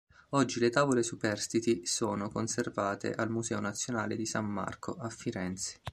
Oggi le tavole superstiti sono conservate al Museo nazionale di San Marco, a Firenze.